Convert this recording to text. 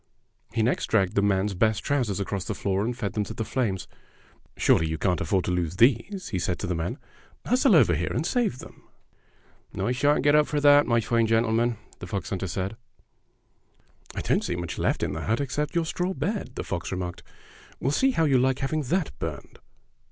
He next dragged the man's best trousers across the floor and fed them to the flames. "Smely, you can't afford to lose those," he said to the man. "Hustle over here and save them." "I shan't get up for that, my fine gentle man," the fox hunter said. "I don't see much left in the hut except your straw bed," the fox remarked. "We'll see how you like having that burned."